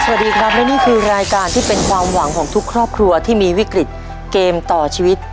สวัสดีครับและนี่คือรายการที่เป็นความหวังของทุกครอบครัวที่มีวิกฤตเกมต่อชีวิต